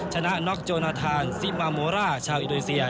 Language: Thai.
ชนะน็อกโจนาธานซิมาโมร่าชาวอินโดนีเซีย